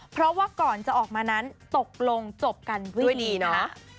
เพราะว่าก่อนจะออกมานั้นตกลงจบกันด้วยดีนะคะ